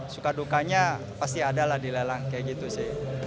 suka dukanya pasti adalah di lelang kayak gitu sih